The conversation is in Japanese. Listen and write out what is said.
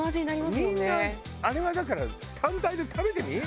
みんなあれはだから単体で食べてみ？